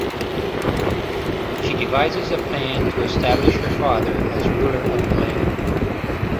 She devises a plan to establish her father as ruler of the land.